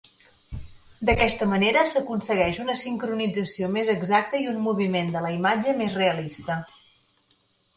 D'aquesta manera s'aconsegueix una sincronització més exacta i un moviment de la imatge més realista.